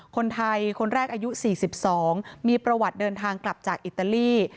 คนไทยคนแรกอายุ๔๒มีประวัติเดินทางกลับจากอิตาลี